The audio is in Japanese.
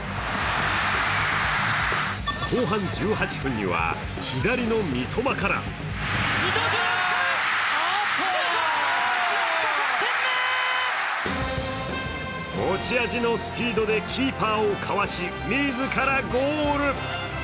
後半１８分には、左の三笘から持ち味のスピードでキーパーをかわし、自らゴール！